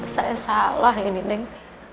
saya salah ya neneng